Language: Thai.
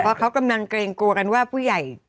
เพราะเขากำลังเกรงกลัวกันว่าผู้ใหญ่